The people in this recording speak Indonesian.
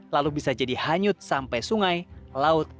lalu bisa jadi hanyut sampai sungai laut